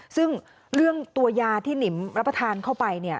ซึ่งเรื่องตัวยาที่หนิมรับประทานเข้าไปเนี่ย